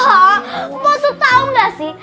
empo tau nggak sih